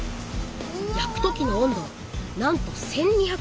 焼く時の温度はなんと１，２００度！